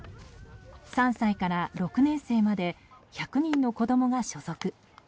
３歳から６年生まで１００人の子供が所属。